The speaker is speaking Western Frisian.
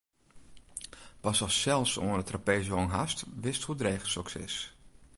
Pas ast sels oan 'e trapeze hongen hast, witst hoe dreech soks is.